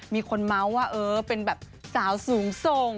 มีคนเมาส์ว่าเป็นสาวสูงส่ง